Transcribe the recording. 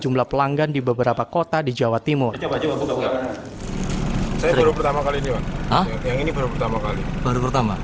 sejumlah pelanggan di beberapa kota di jawa timur